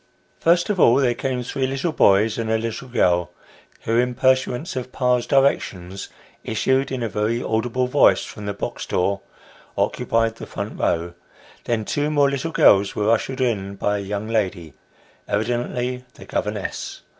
First of all, there came three little boys and a little girl, who, in pursuance of pa's directions, issued in a very audible voice from the box door, occupied the front row; then two more little girls were ushered in by a young lady, evidently the governess.